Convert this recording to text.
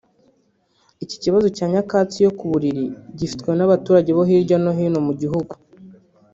Iki kibazo cya nyakatsi yo ku buriri gifitwe n’abaturage bo hirya no hino mu gihugu